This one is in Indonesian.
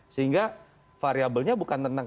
sehingga variabelnya bukan tentang